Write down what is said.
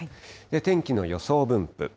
天気の予想分布。